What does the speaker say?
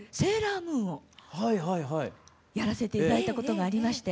やらせて頂いたことがありまして。